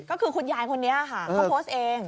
ก็คือคุณยายคนนี้ค่ะเขาโพสต์เอง